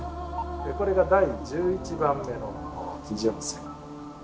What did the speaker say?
これが第１１番目の基準星。